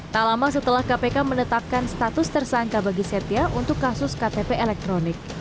tak lama setelah kpk menetapkan status tersangka bagi setia untuk kasus ktp elektronik